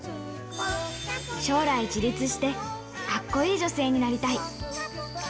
将来、自立してかっこいい女性になりたい。